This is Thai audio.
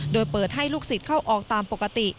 โดยเปิดให้ลูกศิษย์เข้าออกตามปกติ